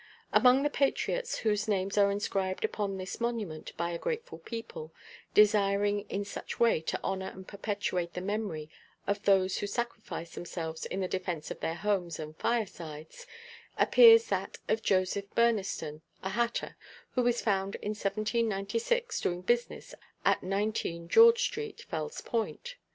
Among the patriots whose names are inscribed upon this monument by a grateful people, desiring in such way to honor and perpetuate the memory of those who sacrificed themselves in the defence of their homes and firesides, appears that of JOSEPH BURNESTON, a hatter, who is found in 1796 doing business at 19 George street, Fell's Point.